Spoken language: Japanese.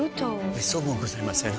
めっそうもございません。